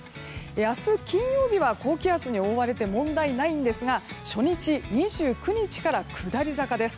明日金曜日は高気圧に覆われて問題ないんですが初日の２９日から下り坂です。